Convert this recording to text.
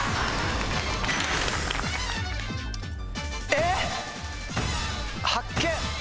えっ⁉発見。